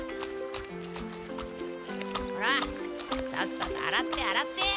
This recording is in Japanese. ほらさっさと洗って洗って。